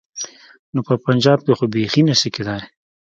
نو په پنجاب کې خو بيخي نه شي کېدای.